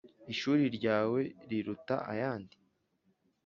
ishuri ryawe riruta ayandi